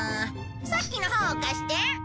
さっきの本を貸して。